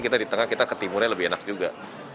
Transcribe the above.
kita di tengah kita ke timurnya lebih enak juga